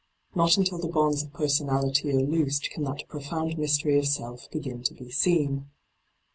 Not until the bonds of per sonality are loosed can that profound mystery of self begin to be seen.